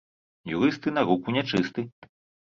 Юрысты на руку нячысты